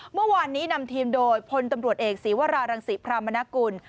เมื่อวานนี้นำทีมโดยพลตำรวจเอกศีวรารังศิพรามนกุล